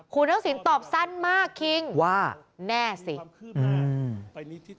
คุณเฮ้าสินตอบสั้นมากคิงว่าแน่สิ